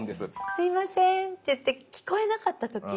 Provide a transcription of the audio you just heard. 「すいません」って言って聞こえなかった時。